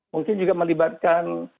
mungkin juga melibatkan